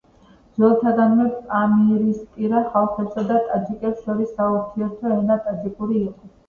ძველთაგანვე პამირისპირა ხალხებსა და ტაჯიკებს შორის საურთიერთო ენა ტაჯიკური იყო.